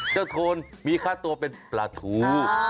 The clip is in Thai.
เจ้าโทนมีค่าตัวเป็นประธู